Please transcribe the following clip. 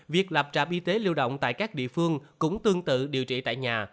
việc lập trạm y tế lưu động tại các địa phương cũng tương tự điều trị tại nhà